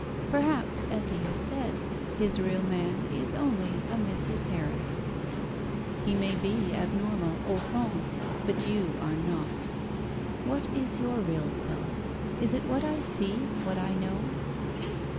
Perhaps, as he has said, his real man is only a Mrs. Harris. He may be abnormal au fond; but you are not! What is your real self? Is it what I see, what I know?"